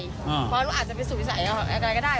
เพราะว่าลูกอาจจะไปสู่ใส่อะไรก็ได้